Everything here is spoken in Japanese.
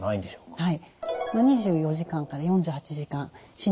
はい。